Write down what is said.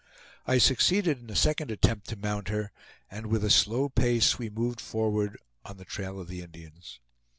I succeeded in a second attempt to mount her, and with a slow pace we moved forward on the trail of the Indians.